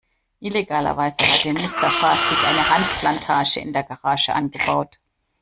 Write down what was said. Illegalerweise hatte Mustafa sich eine Hanfplantage in der Garage angebaut.